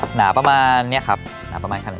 หนาประมาณนี้ครับหนาประมาณขนาดนั้น